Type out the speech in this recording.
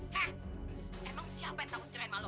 hah emang siapa yang takut cerain malu